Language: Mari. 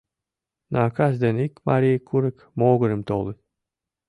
Накас ден ик марий курык могырым толыт.